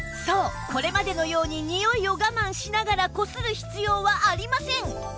そうこれまでのようににおいを我慢しながらこする必要はありません